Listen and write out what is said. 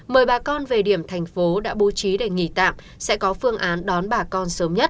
mời bà con về điểm thành phố đã bố trí để nghỉ tạm sẽ có phương án đón bà con sớm nhất